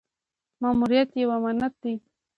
ماموریت یو امانت دی